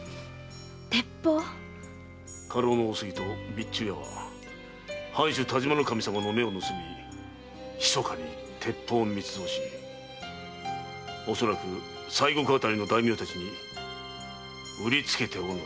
鉄砲⁉家老の大杉と備中屋は藩主・但馬守様の目を盗みひそかに鉄砲を密造し恐らく西国あたりの大名たちに売りつけておるのであろう。